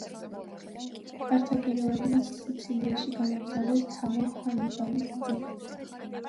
კართაგენელებმა სიცილიაში გამოგზავნეს ჰანო, ჰანიბალის ძე.